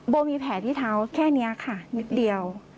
มีแผลที่เท้าแค่นี้ค่ะนิดเดียว